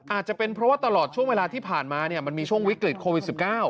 อาจจะเป็นเพราะว่าตลอดช่วงเวลาที่ผ่านมามันมีช่วงวิกฤตโควิด๑๙